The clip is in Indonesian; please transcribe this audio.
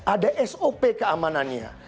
ada sop keamanannya